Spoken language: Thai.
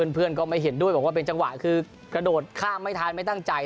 เพื่อนก็ไม่เห็นด้วยบอกว่าเป็นจังหวะคือกระโดดข้ามไม่ทันไม่ตั้งใจ